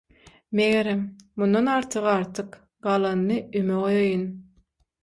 Megerem, mundan artygy artyk, galanyny «üme goýaýyn».